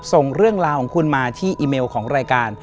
ส่งเรื่องราวของคุณมาที่อีเมลของรายการ